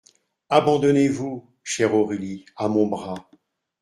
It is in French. Abandonnez-vous, chère Aurélie, à mon bras.